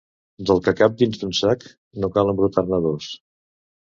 Del que cap dins d'un sac, no cal embrutar-ne dos.